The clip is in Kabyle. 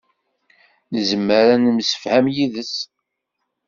Nezmer ad nemsefham yid-s.